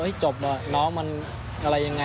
ไปหากมันอะไรยังไง